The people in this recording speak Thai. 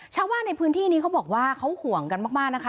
ชาวบ้านในพื้นที่นี้เขาบอกว่าเขาห่วงกันมากนะคะ